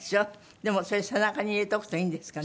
でもそれ背中に入れとくといいんですかね？